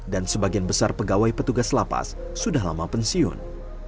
dan sebagian besar pegawai petugas lapas sudah lama pensiun